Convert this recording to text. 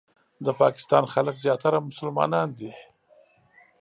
د پاکستان خلک زیاتره مسلمانان دي.